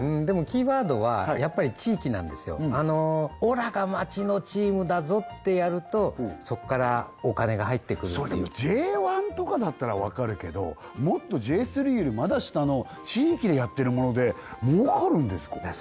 でもキーワードはやっぱり地域なんですよおらが町のチームだぞってやるとそこからお金が入ってくるそれＪ１とかだったらわかるけどもっとＪ３よりまだ下の地域でやっているもので儲かるんですか？